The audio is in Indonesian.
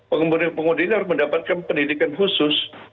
pengemudi pengemudi ini harus mendapatkan pendidikan khusus